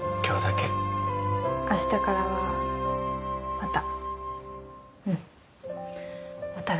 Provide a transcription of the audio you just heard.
あしたからまた。